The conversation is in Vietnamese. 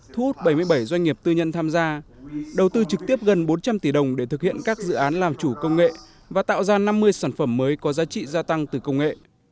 thu hút bảy mươi bảy doanh nghiệp tư nhân tham gia đầu tư trực tiếp gần bốn trăm linh tỷ đồng để thực hiện các dự án làm chủ công nghệ và tạo ra năm mươi sản phẩm mới có giá trị gia tăng từ công nghệ